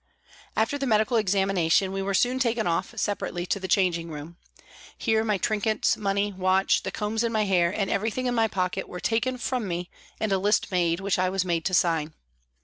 After the medical examination we were soon taken off, separately, to the changing room. Here my trinkets, money, watch, the combs in my hair, and everything in my pocket were taken from me and a list made, which I had to sign.